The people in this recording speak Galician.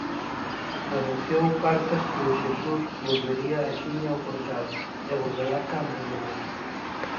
Anunciou Fartas que o Xesús volvería axiña ao portal, e volverá cando o localicen.